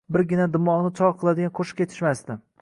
birgina dimogʻni chogʻ qiladigan qoʻshiq yetishmasdi.